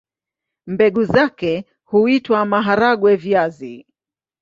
Mbegu zake huitwa maharagwe-viazi.